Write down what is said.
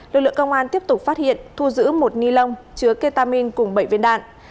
lực lượng công an tiếp tục phát hiện thu giữ một ni lông chứa ketamin cùng bảy viên đạn